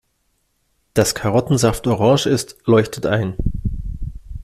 Dass Karottensaft orange ist, leuchtet ein.